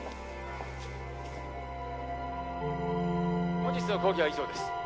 本日の講義は以上です。